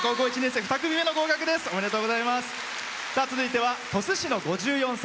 続いては鳥栖市の５４歳。